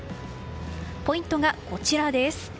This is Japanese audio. ポイントがこちらです。